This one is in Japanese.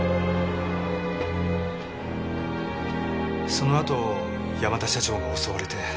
そのあと山田社長が襲われて。